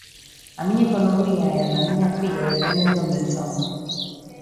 A miña economía e a da miña filla dependen do mesón.